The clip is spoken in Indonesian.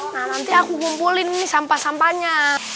nanti aku kumpulin nih sampah sampahnya